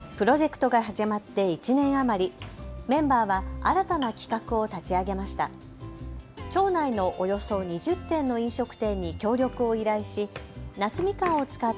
プロジェクトが始まって１年余り、メンバーは新たな企画を立ち上げました。